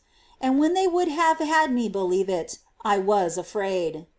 And when they would have had me believe it, I was afraid, ' See Life, ch.